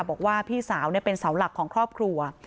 บอกว่าพี่สาวเป็นเสาหลักของครอบครัว